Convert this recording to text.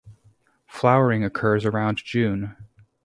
Flowering occurs around June.